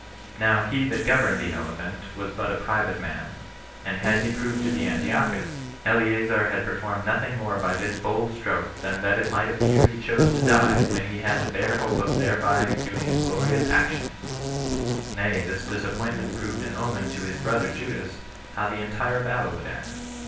Now he that governed the elephant was but a private man; and had he proved to be Antiochus, Eleazar had performed nothing more by this bold stroke than that it might appear he chose to die, when he had the bare hope of thereby doing a glorious action; nay, this disappointment proved an omen to his brother [Judas] how the entire battle would end.